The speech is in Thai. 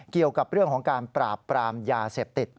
เกี่ยวกับเรื่องของการปราบปรามยาเสพติด